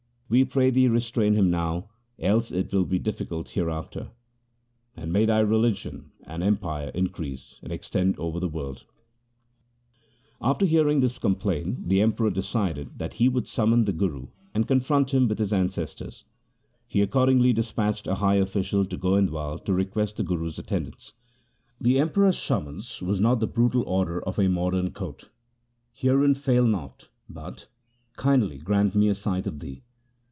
We pray thee restrain him now, else it will be difficult hereafter. And may thy religion and empire increase and extend over the world !' After hearing this complaint the Emperor decided that he would summon the Guru, and confront him with his accusers. He accordingly dispatched a high official to Goindwal to request the Guru's attendance. The Emperor's summons was not the brutal order of a modern court, ' Herein fail not,' but, ' Kindly grant me a sight of thee.'